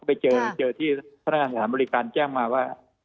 ไปเจอเจอที่พนักงานสถานบริการแจ้งมาว่า